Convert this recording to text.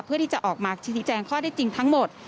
เพื่อที่จะออกมาชี้แจงข้อได้จริงทั้งหมด